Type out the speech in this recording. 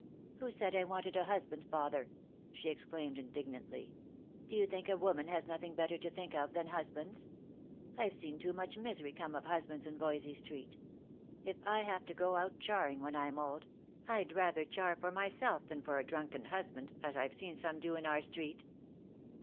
" Who said I wanted a husband, father ?" she exclaimed in dignantly. " Do you think a woman has nothing better to think of than husbands? I've seen too much misery come of hus bands in Voysey street. If I have to go out charing when I'm old, I'd rather char for myself than for a drunken husband, as I've seen some do in our street."